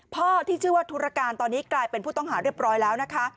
พ่อที่ชื่อว่าธุรการตอนนี้กลายเป็นผู้ต้องหาเรียบร้อยแล้วนะคะ